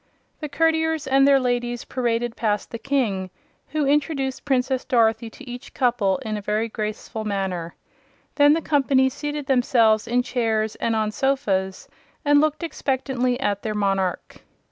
The courtiers and their ladies paraded past the King, who introduced Princess Dorothy to each couple in a very graceful manner. Then the company seated themselves in chairs and on sofas and looked expectantly at their monarch.